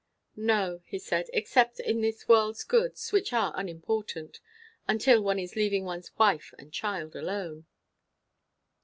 "No," he said. "Except in this world's goods which are unimportant. Until one is leaving one's wife and child alone!"